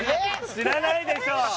知らないでしょ！